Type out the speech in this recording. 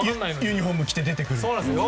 ユニホーム着て出てくるんですね。